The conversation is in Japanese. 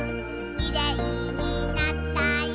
「きれいになったよ